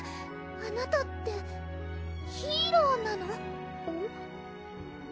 あなたってヒーローなの？